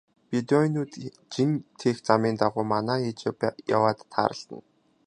Бедоинууд жин тээх замын дагуу манаа хийж яваад тааралдана.